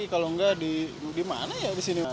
kalau enggak di mana ya disini